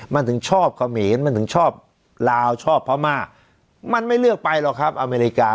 มันถึงชอบเขมรมันถึงชอบลาวชอบพม่ามันไม่เลือกไปหรอกครับอเมริกา